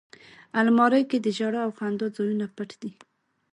الماري کې د ژړا او خندا ځایونه پټ دي